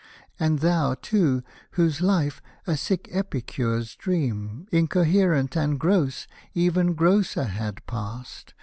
And Thou, too, whose Hfe, a sick epicure's dream. Incoherent and gross, even grosser had passed.